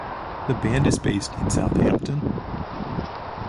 The band is based in Southampton.